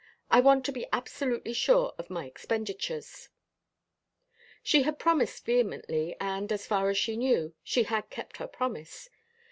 I want to be absolutely sure of my expenditures." She had promised vehemently, and, as far as he knew, she had kept her promise.